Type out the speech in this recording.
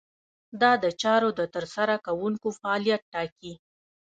دا د چارو د ترسره کوونکو فعالیت ټاکي.